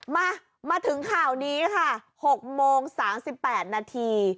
มาถึงข่าวนี้ค่ะ๖โมง๓๘นาที